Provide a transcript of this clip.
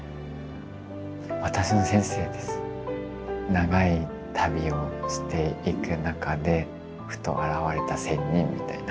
長い旅をしていく中でふと現れた仙人みたいな。